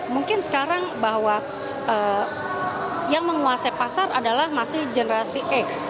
mungkin sekarang bahwa yang menguasai pasar adalah masih generasi x